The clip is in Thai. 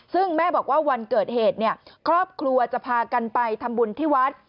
ซึ่งแม่บอกว่าวันเกิดเหตุครอบครัวจะพากันไปทำบุญที่วัด